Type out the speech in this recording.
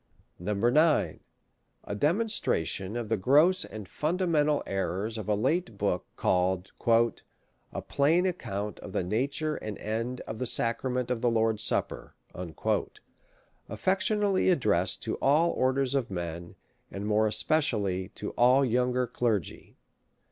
8vo, 9. A Demonstration of' the gross and fundamental Errors of a late Book, called, " A plain Account of the Nature and End of the Sacrament of the Lord's Supper/' affectionately addressed to all Orders of Men, and more especially to all the younger Clergy.